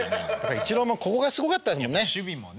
イチローもここがすごかったですもんね。